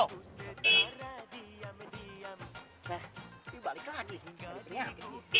nah yu balik lagi